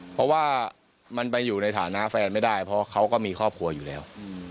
เพราะว่ามันไปอยู่ในฐานะแฟนไม่ได้เพราะเขาก็มีครอบครัวอยู่แล้ว